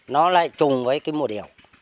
nó lại trùng với cái mùa điểm